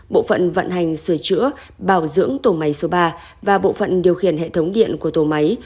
bộ phận vận hành sửa chữa bảo dưỡng tổ máy số ba và bộ phận điều khiển hệ thống điện của tổ máy